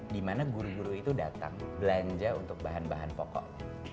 dimana guru guru itu datang belanja untuk bahan bahan pokok